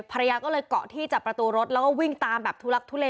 ภรรยาก็เลยเกาะที่จากประตูรถแล้วก็วิ่งตามแบบทุลักทุเล